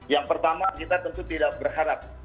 yang pertama kita tentu tidak berharap